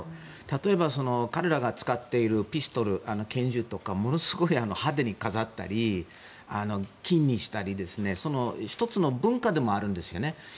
例えば彼らが使っているピストル拳銃とかをものすごい派手に飾ったり金にしたり１つの文化でもあるんですね。